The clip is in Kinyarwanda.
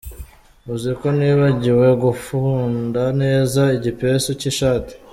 Uziko nibagiwe gufunda neza igipesu cy’ ishati.